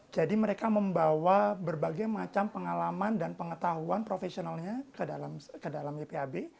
jadi mereka membawa berbagai macam pengalaman dan pengetahuan profesionalnya ke dalam ypab